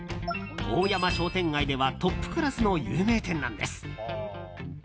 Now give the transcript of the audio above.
大山商店街ではトップクラスの有名店なんです。